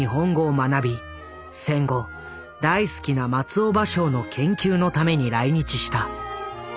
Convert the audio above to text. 戦後大好きな松尾芭蕉の研究のために来日した。